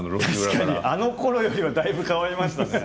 確かにあのころからはだいぶ変わりました。